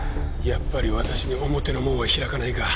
やっぱり私に表の門は開かないか。